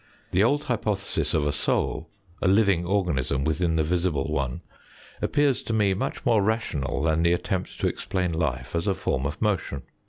The old hypothesis of a soul, a living organism within the visible one, appears to me much more rational than the attempt to explain life as a form of motion.